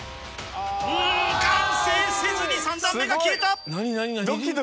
うん完成せずに３段目が消えた。